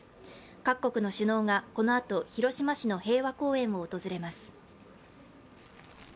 各国の首脳がこのあと広島市の平和公園を訪れます。